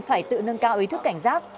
phải tự nâng cao ý thức cảnh giác